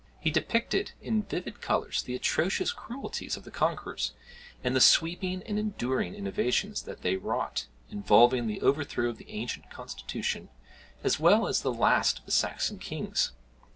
He depicted in vivid colours the atrocious cruelties of the conquerors, and the sweeping and enduring innovations that they wrought, involving the overthrow of the ancient constitution, as well as of the last of the Saxon kings.